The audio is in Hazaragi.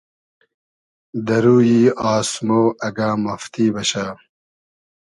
دۂ رویی آسمۉ اگۂ مافتی بئشۂ